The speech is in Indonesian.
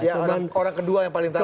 ya orang kedua yang paling tahu